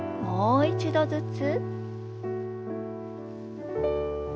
もう一度ずつ。